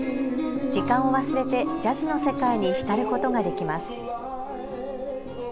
時間を忘れてジャズの世界に浸ることができます。